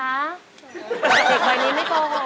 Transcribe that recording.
มันเด็กวันนี้ไม่กว่า